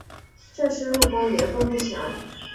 郑氏入宫年份不详。